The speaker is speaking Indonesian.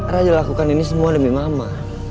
raja lakukan ini semua demi mama